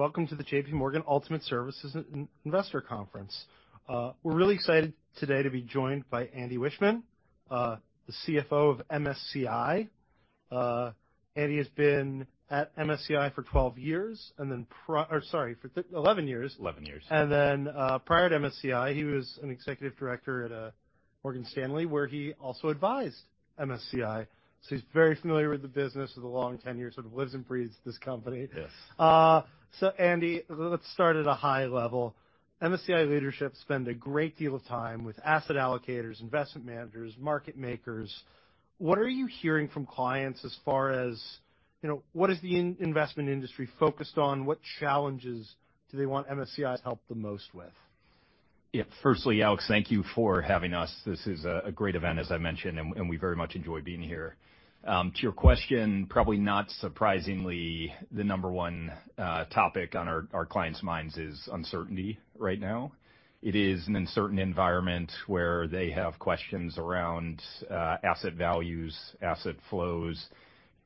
Hello, and welcome to the JP Morgan Ultimate Services Investor Conference. We're really excited today to be joined by Andy Wiechmann, the CFO of MSCI. Andy has been at MSCI for 12 years, or sorry, for 11 years. 11 years. Prior to MSCI, he was an executive director at Morgan Stanley, where he also advised MSCI. So he's very familiar with the business, with a long tenure, sort of lives and breathes this company. Yes. So Andy, let's start at a high level. MSCI leadership spend a great deal of time with asset allocators, investment managers, market makers. What are you hearing from clients as far as, you know, what is the investment industry focused on? What challenges do they want MSCI's help the most with? Yeah. Firstly, Alex, thank you for having us. This is a great event, as I mentioned, and we very much enjoy being here. To your question, probably not surprisingly, the number one topic on our clients' minds is uncertainty right now. It is an uncertain environment where they have questions around asset values, asset flows,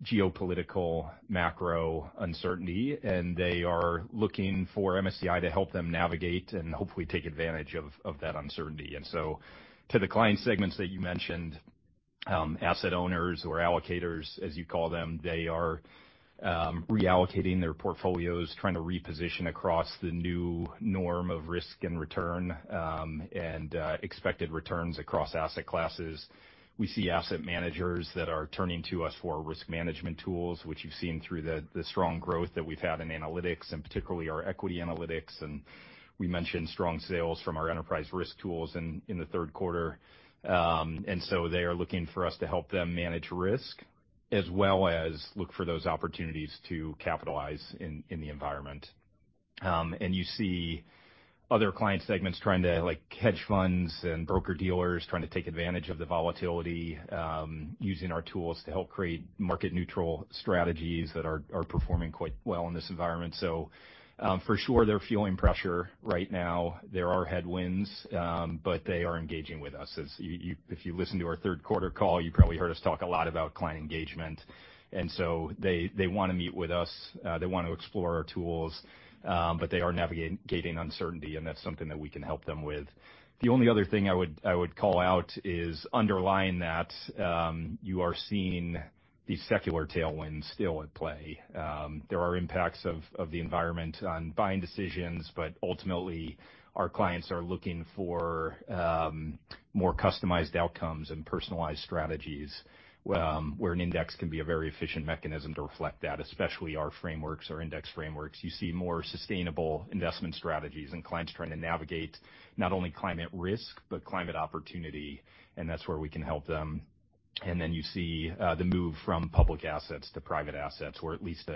geopolitical, macro uncertainty, and they are looking for MSCI to help them navigate and hopefully take advantage of that uncertainty. And so to the client segments that you mentioned, asset owners or allocators, as you call them, they are reallocating their portfolios, trying to reposition across the new norm of risk and return, and expected returns across asset classes. We see asset managers that are turning to us for risk management tools, which you've seen through the strong growth that we've had in analytics, and particularly our equity analytics, and we mentioned strong sales from our enterprise risk tools in the third quarter. And so they are looking for us to help them manage risk as well as look for those opportunities to capitalize in the environment. And you see other client segments trying to, like, hedge funds and broker-dealers, trying to take advantage of the volatility, using our tools to help create market-neutral strategies that are performing quite well in this environment. So, for sure, they're feeling pressure right now. There are headwinds, but they are engaging with us. As you if you listened to our third quarter call, you probably heard us talk a lot about client engagement, and so they, they wanna meet with us, they want to explore our tools, but they are navigating uncertainty, and that's something that we can help them with. The only other thing I would call out is underlying that, you are seeing these secular tailwinds still at play. There are impacts of the environment on buying decisions, but ultimately, our clients are looking for more customized outcomes and personalized strategies, where an index can be a very efficient mechanism to reflect that, especially our frameworks, our index frameworks. You see more sustainable investment strategies and clients trying to navigate not only climate risk, but climate opportunity, and that's where we can help them. And then you see the move from public assets to private assets, or at least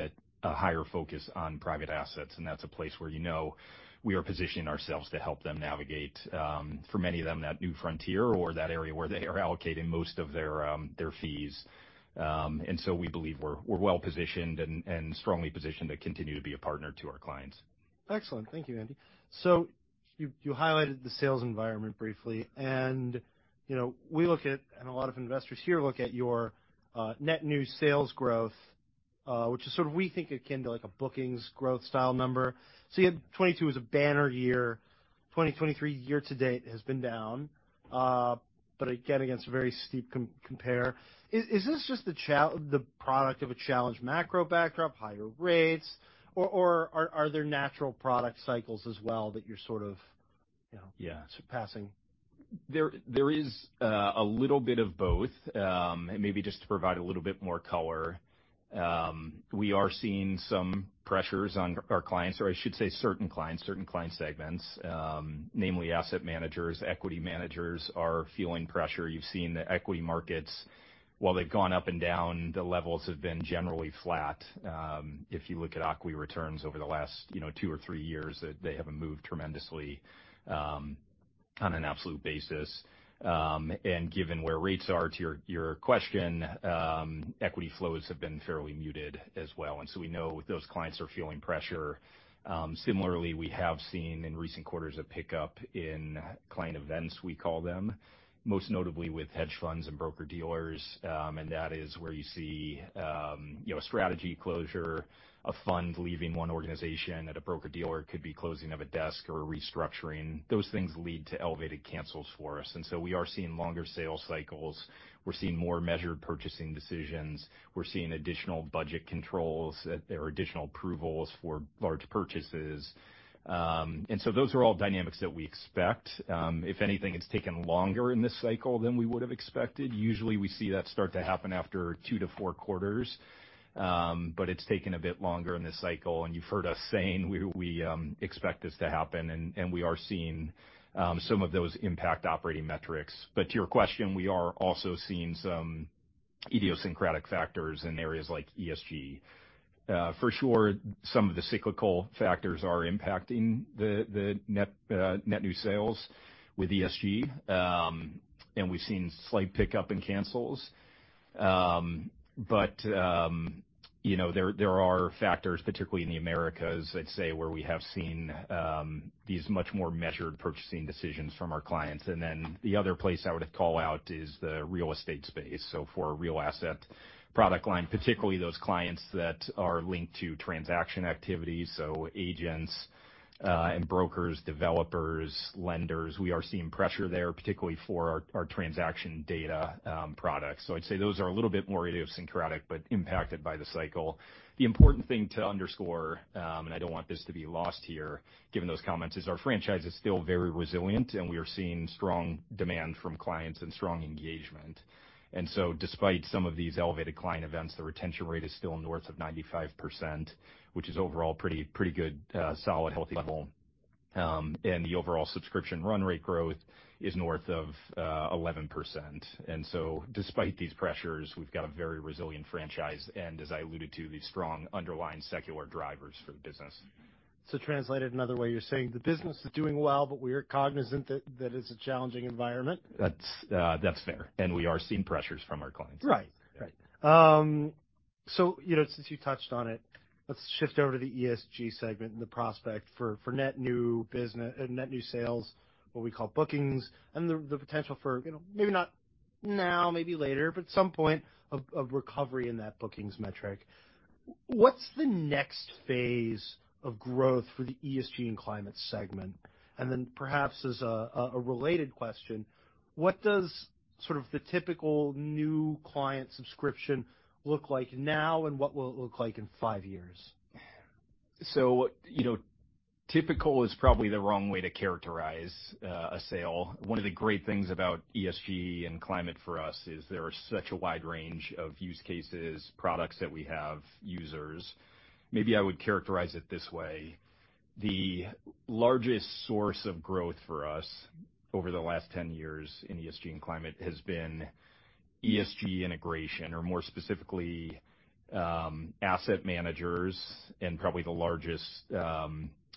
a higher focus on private assets, and that's a place where you know we are positioning ourselves to help them navigate for many of them that new frontier or that area where they are allocating most of their their fees. And so we believe we're well positioned and strongly positioned to continue to be a partner to our clients. Excellent. Thank you, Andy. So you highlighted the sales environment briefly, and, you know, we look at, and a lot of investors here look at your net new sales growth, which is sort of we think, akin to like a bookings growth style number. So you had 2022 as a banner year, 2023 year to date has been down, but again, against a very steep comparison. Is this just the product of a challenged macro backdrop, higher rates, or are there natural product cycles as well that you're sort of, you know- Yeah. - surpassing? There is a little bit of both. And maybe just to provide a little bit more color, we are seeing some pressures on our clients, or I should say certain clients, certain client segments, namely asset managers. Equity managers are feeling pressure. You've seen the equity markets, while they've gone up and down, the levels have been generally flat. If you look at equity returns over the last, you know, two or three years, they haven't moved tremendously, on an absolute basis. And given where rates are, to your question, equity flows have been fairly muted as well, and so we know those clients are feeling pressure. Similarly, we have seen in recent quarters a pickup in client events, we call them, most notably with hedge funds and broker-dealers, and that is where you see, you know, strategy closure, a fund leaving one organization at a broker-dealer. It could be closing of a desk or restructuring. Those things lead to elevated cancels for us, and so we are seeing longer sales cycles. We're seeing more measured purchasing decisions. We're seeing additional budget controls. There are additional approvals for large purchases. And so those are all dynamics that we expect. If anything, it's taken longer in this cycle than we would've expected. Usually, we see that start to happen after two to four quarters, but it's taken a bit longer in this cycle, and you've heard us saying we expect this to happen, and we are seeing some of those impact operating metrics. But to your question, we are also seeing some idiosyncratic factors in areas like ESG. For sure, some of the cyclical factors are impacting the net new sales with ESG, and we've seen slight pickup in cancels. But you know, there are factors, particularly in the Americas, I'd say, where we have seen these much more measured purchasing decisions from our clients. And then the other place I would call out is the real estate space, so for real asset-... product line, particularly those clients that are linked to transaction activities, so agents, and brokers, developers, lenders. We are seeing pressure there, particularly for our, our transaction data, products. So I'd say those are a little bit more idiosyncratic, but impacted by the cycle. The important thing to underscore, and I don't want this to be lost here, given those comments, is our franchise is still very resilient, and we are seeing strong demand from clients and strong engagement. And so despite some of these elevated client events, the retention rate is still north of 95%, which is overall pretty, pretty good, solid, healthy level. And the overall subscription run rate growth is north of 11%. And so despite these pressures, we've got a very resilient franchise, and as I alluded to, the strong underlying secular drivers for the business. So translated another way, you're saying the business is doing well, but we are cognizant that it's a challenging environment? That's, that's fair, and we are seeing pressures from our clients. Right. Right. So, you know, since you touched on it, let's shift over to the ESG segment and the prospect for net new business, net new sales, what we call bookings, and the potential for, you know, maybe not now, maybe later, but at some point, of recovery in that bookings metric. What's the next phase of growth for the ESG and climate segment? And then perhaps as a related question, what does sort of the typical new client subscription look like now, and what will it look like in five years? So, you know, typical is probably the wrong way to characterize a sale. One of the great things about ESG and climate for us is there are such a wide range of use cases, products that we have, users. Maybe I would characterize it this way: the largest source of growth for us over the last 10 years in ESG and climate has been ESG integration, or more specifically, asset managers, and probably the largest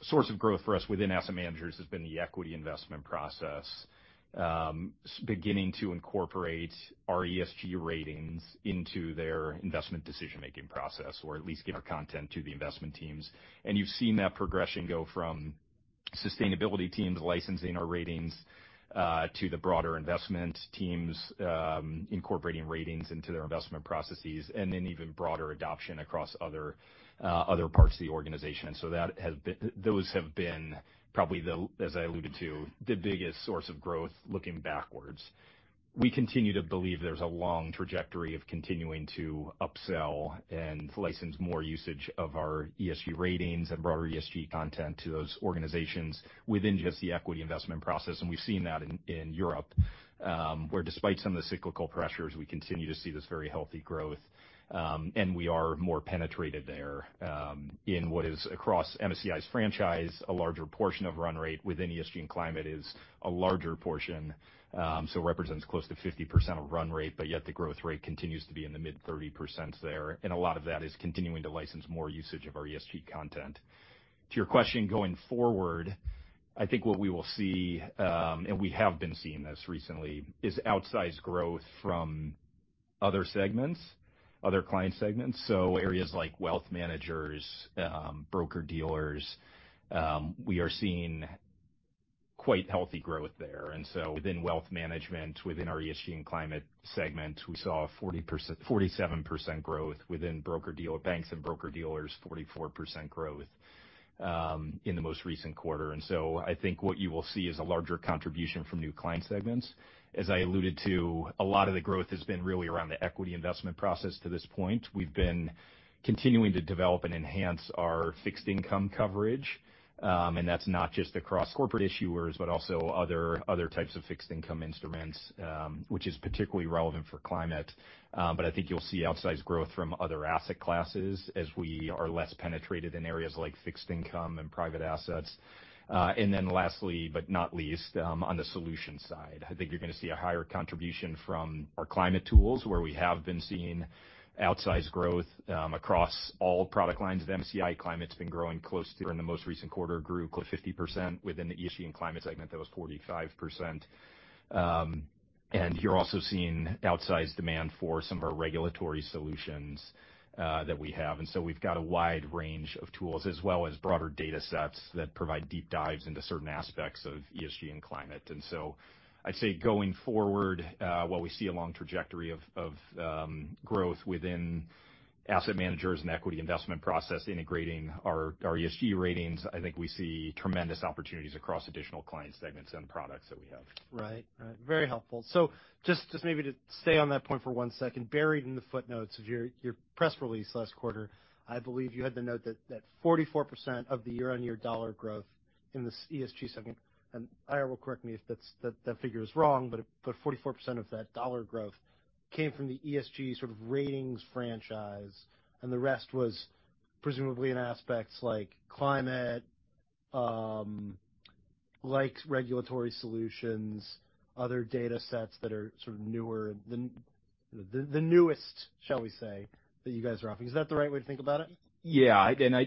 source of growth for us within asset managers has been the equity investment process. Beginning to incorporate our ESG Ratings into their investment decision-making process, or at least give our content to the investment teams. You've seen that progression go from sustainability teams licensing our ratings to the broader investment teams incorporating ratings into their investment processes, and then even broader adoption across other other parts of the organization. So that has been—those have been probably the, as I alluded to, the biggest source of growth looking backwards. We continue to believe there's a long trajectory of continuing to upsell and license more usage of our ESG Ratings and broader ESG content to those organizations within just the equity investment process. We've seen that in Europe, where despite some of the cyclical pressures, we continue to see this very healthy growth, and we are more penetrated there, in what is across MSCI's franchise, a larger portion of run rate within ESG and climate is a larger portion, so represents close to 50% of run rate, but yet the growth rate continues to be in the mid-30%s there, and a lot of that is continuing to license more usage of our ESG content. To your question, going forward, I think what we will see, and we have been seeing this recently, is outsized growth from other segments, other client segments, so areas like wealth managers, broker-dealers, we are seeing quite healthy growth there. Within wealth management, within our ESG and climate segment, we saw 40%-47% growth within broker-dealer banks and broker-dealers, 44% growth in the most recent quarter. So I think what you will see is a larger contribution from new client segments. As I alluded to, a lot of the growth has been really around the equity investment process to this point. We've been continuing to develop and enhance our fixed income coverage, and that's not just across corporate issuers, but also other types of fixed income instruments, which is particularly relevant for climate. But I think you'll see outsized growth from other asset classes as we are less penetrated in areas like fixed income and private assets. And then lastly, but not least, on the solution side, I think you're going to see a higher contribution from our climate tools, where we have been seeing outsized growth across all product lines of MSCI. Climate's been growing close to 50%. In the most recent quarter, grew close to 50%. Within the ESG and climate segment, that was 45%. And you're also seeing outsized demand for some of our regulatory solutions that we have. And so we've got a wide range of tools as well as broader data sets that provide deep dives into certain aspects of ESG and climate. So I'd say going forward, while we see a long trajectory of growth within asset managers and equity investment process, integrating our ESG Ratings, I think we see tremendous opportunities across additional client segments and products that we have. Right. Right. Very helpful. So just, just maybe to stay on that point for one second. Buried in the footnotes of your, your press release last quarter, I believe you had the note that, that 44% of the year-on-year dollar growth in the ESG segment, and IR will correct me if that's, that figure is wrong, but, but 44% of that dollar growth came from the ESG sort of ratings franchise, and the rest was presumably in aspects like climate, like regulatory solutions, other data sets that are sort of newer, the newest, shall we say, that you guys are offering. Is that the right way to think about it? Yeah, and I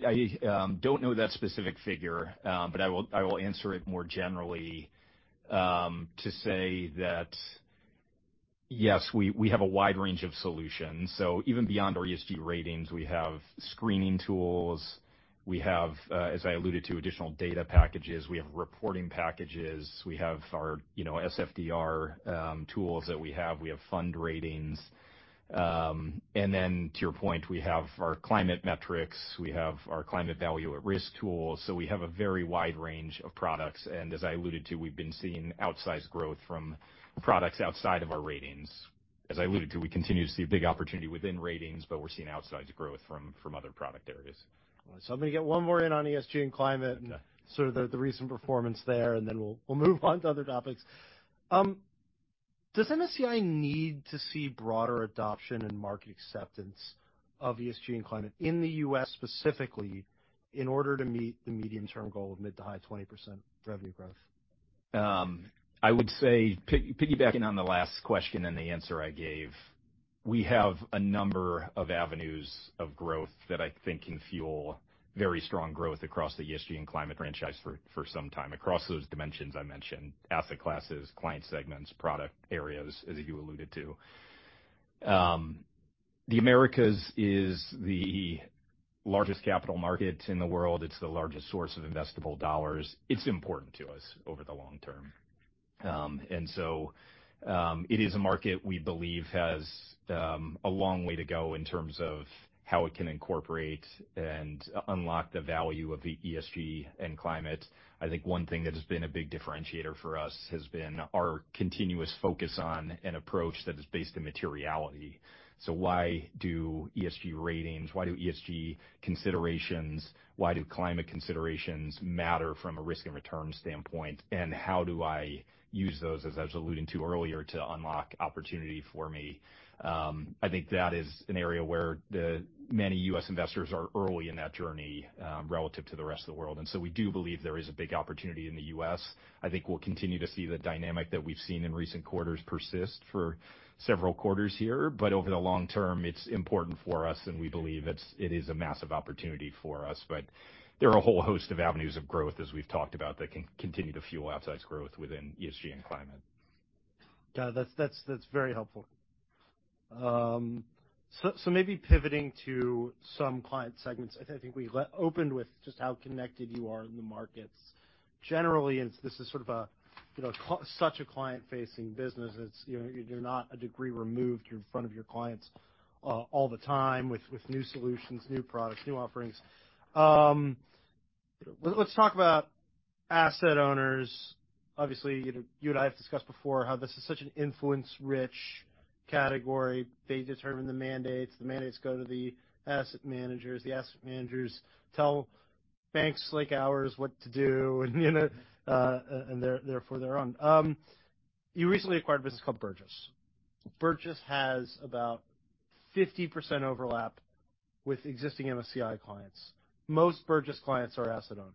don't know that specific figure, but I will answer it more generally to say that. Yes, we have a wide range of solutions. So even beyond our ESG Ratings, we have screening tools. We have, as I alluded to, additional data packages. We have reporting packages. We have our, you know, SFDR tools that we have. We have fund ratings. And then to your point, we have our climate metrics, we have our Climate Value at Risk tools. So we have a very wide range of products, and as I alluded to, we've been seeing outsized growth from products outside of our Ratings. As I alluded to, we continue to see a big opportunity within ratings, but we're seeing outsized growth from other product areas. So I'm gonna get one more in on ESG and climate- Okay. And sort of the recent performance there, and then we'll move on to other topics. Does MSCI need to see broader adoption and market acceptance of ESG and climate in the U.S. specifically, in order to meet the medium-term goal of mid- to high-20% revenue growth? I would say, piggybacking on the last question and the answer I gave, we have a number of avenues of growth that I think can fuel very strong growth across the ESG and climate franchise for some time. Across those dimensions I mentioned, asset classes, client segments, product areas, as you alluded to. The Americas is the largest capital market in the world. It's the largest source of investable dollars. It's important to us over the long term. And so, it is a market we believe has a long way to go in terms of how it can incorporate and unlock the value of the ESG and climate. I think one thing that has been a big differentiator for us has been our continuous focus on an approach that is based in materiality. So why do ESG ratings, why do ESG considerations, why do climate considerations matter from a risk and return standpoint? And how do I use those, as I was alluding to earlier, to unlock opportunity for me? I think that is an area where many U.S. investors are early in that journey, relative to the rest of the world, and so we do believe there is a big opportunity in the U.S. I think we'll continue to see the dynamic that we've seen in recent quarters persist for several quarters here. But over the long term, it's important for us, and we believe it's, it is a massive opportunity for us. But there are a whole host of avenues of growth, as we've talked about, that can continue to fuel outsized growth within ESG and climate. Got it. That's, that's, that's very helpful. So maybe pivoting to some client segments. I think we opened with just how connected you are in the markets. Generally, this is sort of a, you know, such a client-facing business. It's... You're not a degree removed. You're in front of your clients all the time, with new solutions, new products, new offerings. Let's talk about asset owners. Obviously, you know, you and I have discussed before how this is such an influence-rich category. They determine the mandates, the mandates go to the asset managers, the asset managers tell banks like ours what to do, and, you know, and they're, therefore, they're on. You recently acquired a business called Burgiss. Burgiss has about 50% overlap with existing MSCI clients. Most Burgiss clients are asset owners.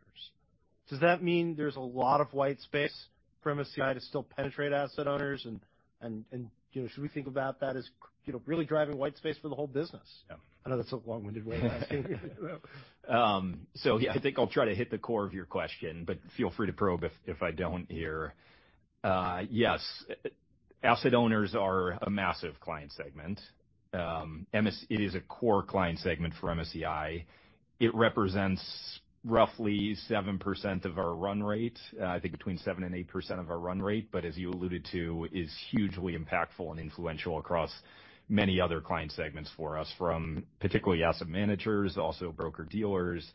Does that mean there's a lot of white space for MSCI to still penetrate asset owners? And, you know, should we think about that as, you know, really driving white space for the whole business? Yeah. I know that's a long-winded way of asking. So yeah, I think I'll try to hit the core of your question, but feel free to probe if I don't here. Yes, asset owners are a massive client segment. It is a core client segment for MSCI. It represents roughly 7% of our run rate, I think between 7%-8% of our run rate, but as you alluded to, is hugely impactful and influential across many other client segments for us, from particularly asset managers, also broker-dealers,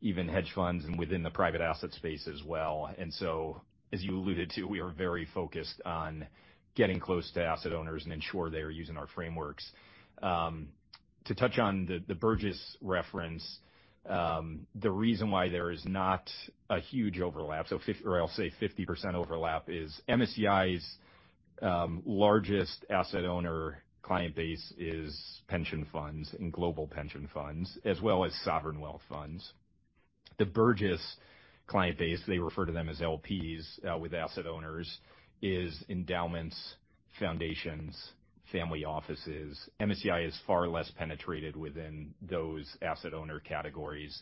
even hedge funds, and within the private asset space as well. And so, as you alluded to, we are very focused on getting close to asset owners and ensure they are using our frameworks. To touch on the Burgiss reference, the reason why there is not a huge overlap, or I'll say 50% overlap, is MSCI's largest asset owner client base is pension funds and global pension funds, as well as sovereign wealth funds. The Burgiss client base, they refer to them as LPs with asset owners, is endowments, foundations, family offices. MSCI is far less penetrated within those asset owner categories,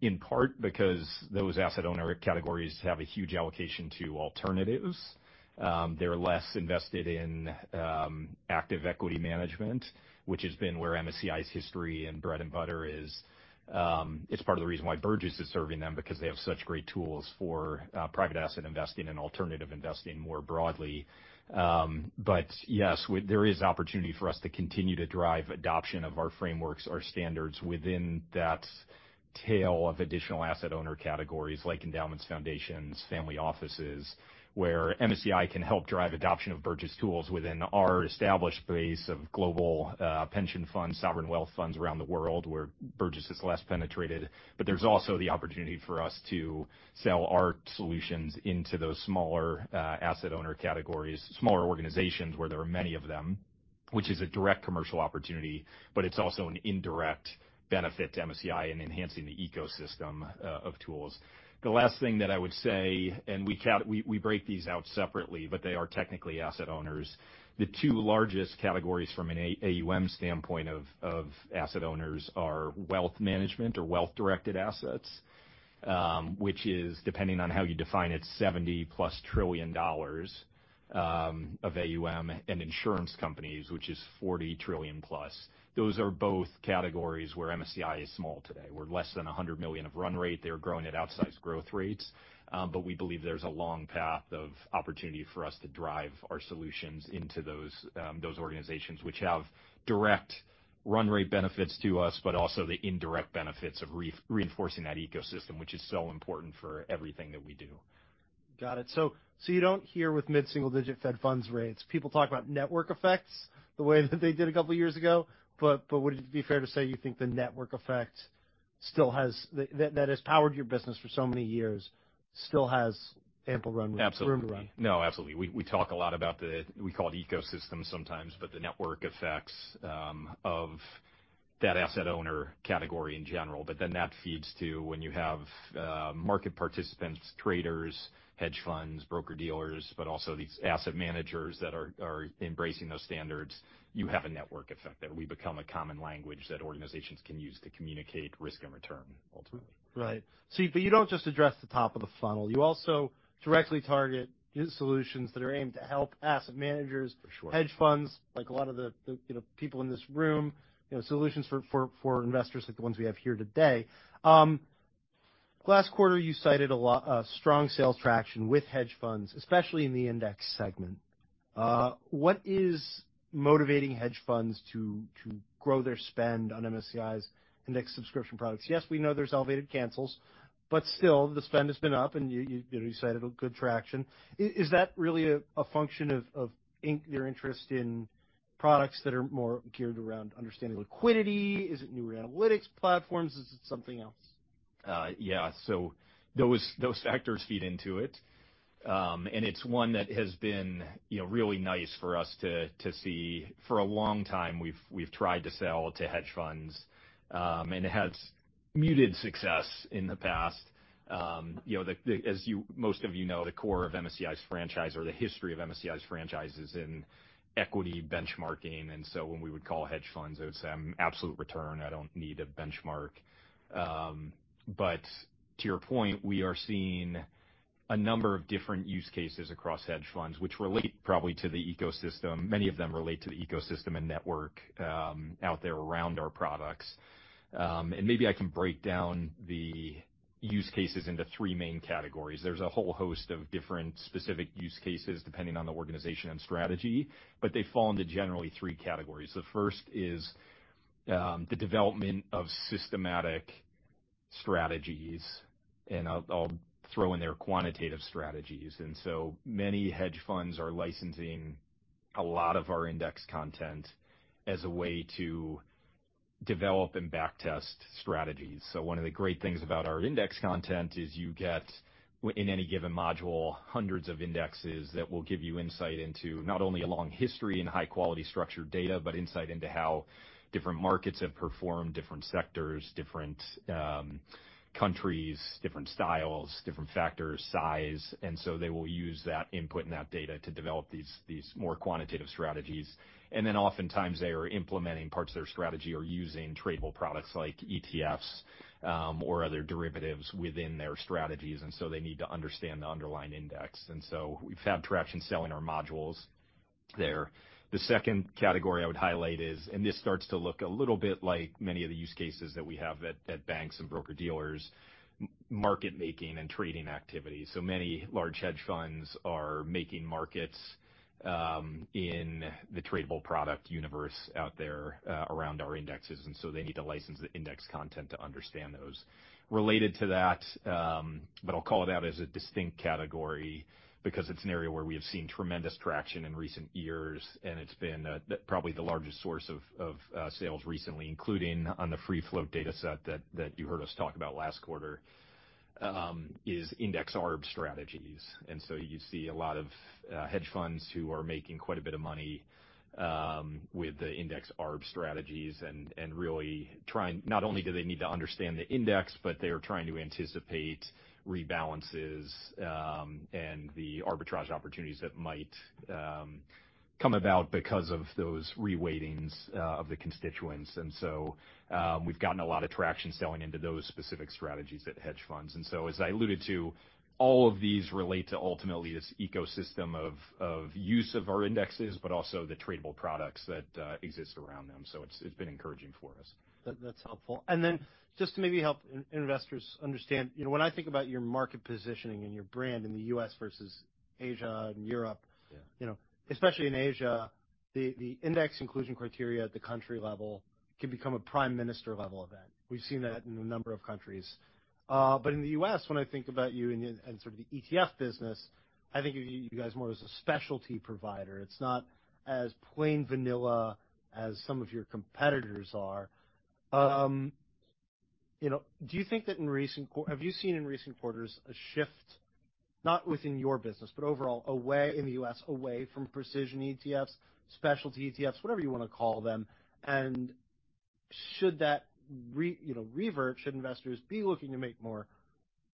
in part because those asset owner categories have a huge allocation to alternatives. They're less invested in active equity management, which has been where MSCI's history and bread and butter is. It's part of the reason why Burgiss is serving them, because they have such great tools for private asset investing and alternative investing more broadly. But yes, there is opportunity for us to continue to drive adoption of our frameworks, our standards, within that tail of additional asset owner categories like endowments, foundations, family offices, where MSCI can help drive adoption of Burgiss tools within our established base of global pension funds, sovereign wealth funds around the world, where Burgiss is less penetrated. But there's also the opportunity for us to sell our solutions into those smaller asset owner categories, smaller organizations, where there are many of them, which is a direct commercial opportunity, but it's also an indirect benefit to MSCI in enhancing the ecosystem of tools. The last thing that I would say, and we break these out separately, but they are technically asset owners. The two largest categories from an AUM standpoint of asset owners are wealth management or wealth-directed assets, which is, depending on how you define it, $70+ trillion of AUM, and insurance companies, which is $40 trillion+. Those are both categories where MSCI is small today. We're less than $100 million of run rate. They're growing at outsized growth rates, but we believe there's a long path of opportunity for us to drive our solutions into those organizations, which have direct run rate benefits to us, but also the indirect benefits of reinforcing that ecosystem, which is so important for everything that we do.... Got it. So you don't hear with mid-single-digit Fed funds rates. People talk about network effects the way that they did a couple of years ago, but would it be fair to say you think the network effect still has-- that has powered your business for so many years, still has ample runway- Absolutely. Room to run? No, absolutely. We talk a lot about the, we call it ecosystem sometimes, but the network effects of that asset owner category in general. But then that feeds to when you have market participants, traders, hedge funds, broker-dealers, but also these asset managers that are embracing those standards, you have a network effect, that we become a common language that organizations can use to communicate risk and return, ultimately. Right. So, but you don't just address the top of the funnel, you also directly target solutions that are aimed to help asset managers- For sure. Hedge funds, like a lot of the you know people in this room, you know, solutions for investors like the ones we have here today. Last quarter, you cited a lot of strong sales traction with hedge funds, especially in the index segment. What is motivating hedge funds to grow their spend on MSCI's index subscription products? Yes, we know there's elevated cancels, but still, the spend has been up, and you cited a good traction. Is that really a function of their interest in products that are more geared around understanding liquidity? Is it newer analytics platforms? Is it something else? Yeah. So those factors feed into it. And it's one that has been, you know, really nice for us to see. For a long time, we've tried to sell to hedge funds, and it had muted success in the past. You know, as you—most of you know, the core of MSCI's franchise or the history of MSCI's franchise is in equity benchmarking, and so when we would call hedge funds, they would say, "Absolute return, I don't need a benchmark." But to your point, we are seeing a number of different use cases across hedge funds, which relate probably to the ecosystem. Many of them relate to the ecosystem and network out there around our products. And maybe I can break down the use cases into three main categories. There's a whole host of different specific use cases, depending on the organization and strategy, but they fall into generally three categories. The first is the development of systematic strategies, and I'll throw in there quantitative strategies. And so many hedge funds are licensing a lot of our index content as a way to develop and back-test strategies. So one of the great things about our index content is you get in any given module, hundreds of indexes that will give you insight into not only a long history and high-quality structured data, but insight into how different markets have performed, different sectors, different countries, different styles, different factors, size. And so they will use that input and that data to develop these more quantitative strategies. And then oftentimes they are implementing parts of their strategy or using tradable products like ETFs, or other derivatives within their strategies, and so they need to understand the underlying index. And so we've had traction selling our modules there. The second category I would highlight is, and this starts to look a little bit like many of the use cases that we have at banks and broker-dealers, market making and trading activities. So many large hedge funds are making markets, in the tradable product universe out there, around our indexes, and so they need to license the index content to understand those. Related to that, but I'll call it out as a distinct category because it's an area where we have seen tremendous traction in recent years, and it's been probably the largest source of sales recently, including on the free float data set that you heard us talk about last quarter, is index arb strategies. And so you see a lot of hedge funds who are making quite a bit of money with the index arb strategies and really trying... Not only do they need to understand the index, but they are trying to anticipate rebalances and the arbitrage opportunities that might come about because of those reweightings of the constituents. And so we've gotten a lot of traction selling into those specific strategies at hedge funds. And so as I alluded to, all of these relate to ultimately this ecosystem of use of our indexes, but also the tradable products that exist around them. So it's, it's been encouraging for us. That, that's helpful. And then just to maybe help investors understand, you know, when I think about your market positioning and your brand in the U.S. versus Asia and Europe- Yeah. You know, especially in Asia, the index inclusion criteria at the country level can become a prime minister-level event. We've seen that in a number of countries. But in the U.S., when I think about you and sort of the ETF business, I think of you, you guys more as a specialty provider. It's not as plain vanilla as some of your competitors are. You know, have you seen in recent quarters a shift, not within your business, but overall, away in the U.S., away from precision ETFs, specialty ETFs, whatever you want to call them? And should that, you know, revert, should investors be looking to make more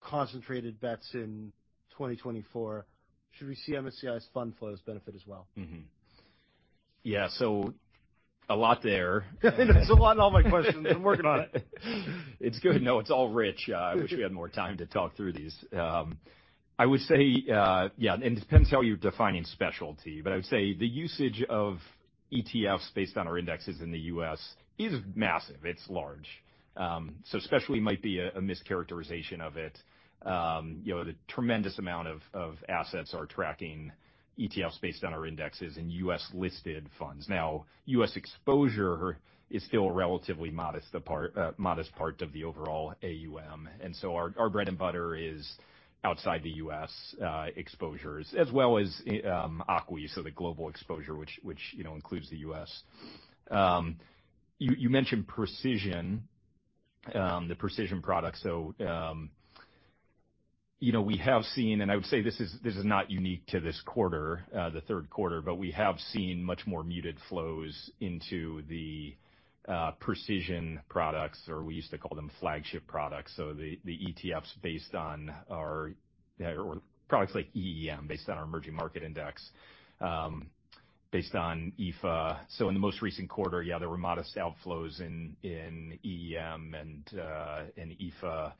concentrated bets in 2024? Should we see MSCI's fund flows benefit as well? Mm-hmm. Yeah, so a lot there. There's a lot in all my questions. I'm working on it. It's good. No, it's all rich. I wish we had more time to talk through these. I would say, yeah, and it depends how you're defining specialty, but I would say the usage of ETFs based on our indexes in the U.S. is massive. It's large. So specialty might be a mischaracterization of it. You know, the tremendous amount of assets are tracking ETFs based on our indexes and U.S.-listed funds. Now, U.S. exposure is still a relatively modest part of the overall AUM, and so our bread and butter is outside the U.S. exposures, as well as ACWI, so the global exposure, which you know, includes the U.S. You mentioned precision, the precision product. So... You know, we have seen, and I would say this is, this is not unique to this quarter, the third quarter, but we have seen much more muted flows into the precision products, or we used to call them flagship products. So the ETFs based on our or products like EEM, based on our emerging market index, based on EAFE. So in the most recent quarter, yeah, there were modest outflows in EEM and in EAFE.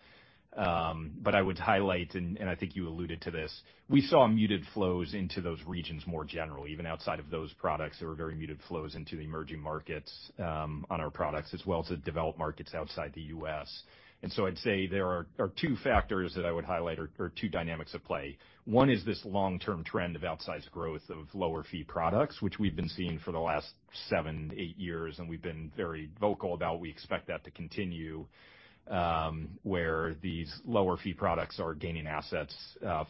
But I would highlight, and I think you alluded to this, we saw muted flows into those regions more generally. Even outside of those products, there were very muted flows into the emerging markets on our products, as well as the developed markets outside the U.S. And so I'd say there are two factors that I would highlight or two dynamics at play. One is this long-term trend of outsized growth of lower fee products, which we've been seeing for the last seven, eight years, and we've been very vocal about. We expect that to continue, where these lower fee products are gaining assets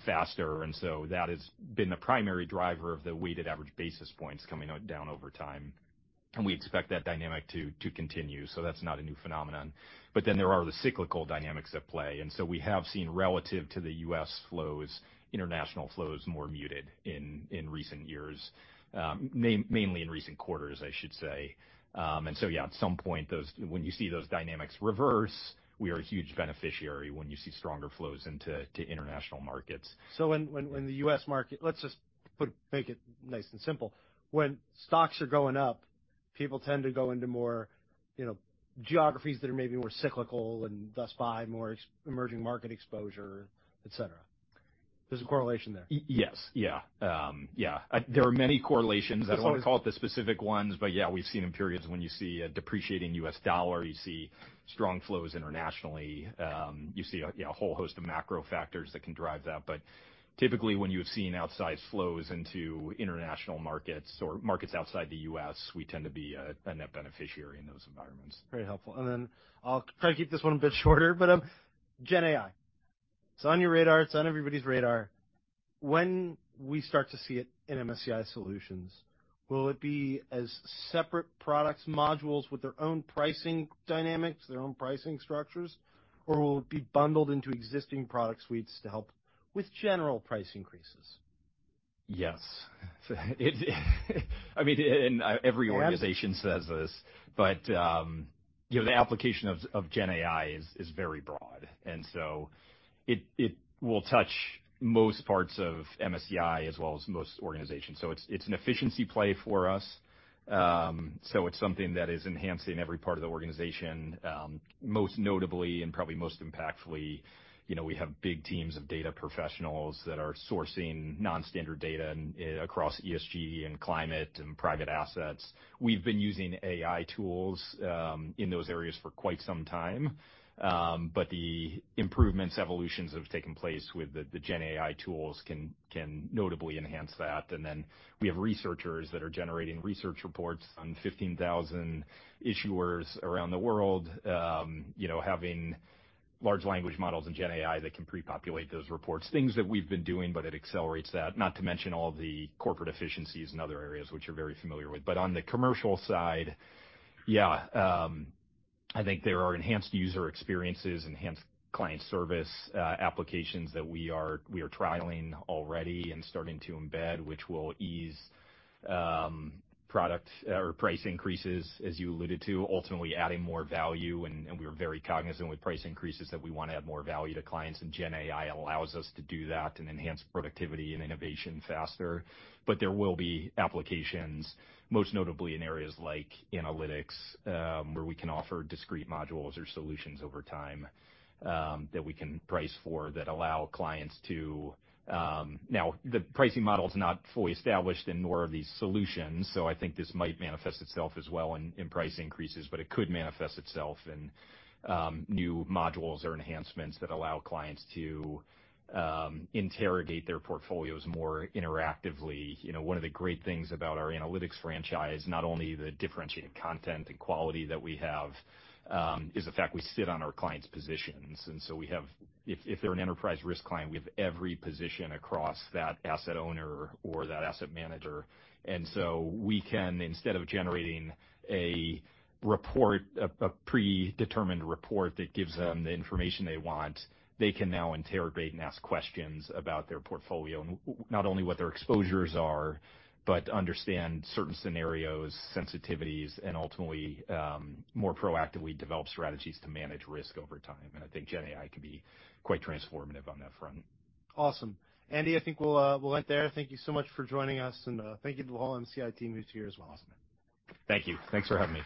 faster. And so that has been the primary driver of the weighted average basis points coming down over time, and we expect that dynamic to continue, so that's not a new phenomenon. But then there are the cyclical dynamics at play, and so we have seen relative to the U.S. flows, international flows more muted in recent years, mainly in recent quarters, I should say. And so, yeah, at some point, those... When you see those dynamics reverse, we are a huge beneficiary when you see stronger flows into international markets. So when the U.S. market, let's just put, make it nice and simple. When stocks are going up, people tend to go into more, you know, geographies that are maybe more cyclical and thus buy more ex-emerging market exposure, et cetera. There's a correlation there. Yes. Yeah. Yeah. There are many correlations. That's what- I don't want to call it the specific ones, but yeah, we've seen in periods when you see a depreciating U.S. dollar, you see strong flows internationally, you see a whole host of macro factors that can drive that. But typically, when you've seen outside flows into international markets or markets outside the U.S., we tend to be a net beneficiary in those environments. Very helpful. Then I'll try to keep this one a bit shorter, but Gen AI. It's on your radar, it's on everybody's radar. When we start to see it in MSCI Solutions, will it be as separate products, modules with their own pricing dynamics, their own pricing structures, or will it be bundled into existing product suites to help with general price increases? Yes. I mean, and every organization says this, but, you know, the application of Gen AI is very broad, and so it will touch most parts of MSCI as well as most organizations. So it's an efficiency play for us. So it's something that is enhancing every part of the organization, most notably and probably most impactfully, you know, we have big teams of data professionals that are sourcing non-standard data across ESG and climate and private assets. We've been using AI tools in those areas for quite some time, but the improvements, evolutions that have taken place with the Gen AI tools can notably enhance that. And then we have researchers that are generating research reports on 15,000 issuers around the world. You know, having large language models and Gen AI that can prepopulate those reports, things that we've been doing, but it accelerates that. Not to mention all the corporate efficiencies in other areas, which you're very familiar with. But on the commercial side, yeah, I think there are enhanced user experiences, enhanced client service, applications that we are, we are trialing already and starting to embed, which will ease product or price increases, as you alluded to, ultimately adding more value. And we're very cognizant with price increases that we want to add more value to clients, and Gen AI allows us to do that and enhance productivity and innovation faster. But there will be applications, most notably in areas like analytics, where we can offer discrete modules or solutions over time, that we can price for, that allow clients to... Now, the pricing model is not fully established in more of these solutions, so I think this might manifest itself as well in price increases, but it could manifest itself in new modules or enhancements that allow clients to interrogate their portfolios more interactively. You know, one of the great things about our analytics franchise, not only the differentiated content and quality that we have, is the fact we sit on our clients' positions, and so we have. If they're an enterprise risk client, we have every position across that asset owner or that asset manager. And so we can, instead of generating a report, a predetermined report that gives them the information they want, they can now interrogate and ask questions about their portfolio, and not only what their exposures are, but understand certain scenarios, sensitivities, and ultimately, more proactively develop strategies to manage risk over time. And I think Gen AI can be quite transformative on that front. Awesome. Andy, I think we'll end there. Thank you so much for joining us, and thank you to the whole MSCI team who's here as well. Thank you. Thanks for having me.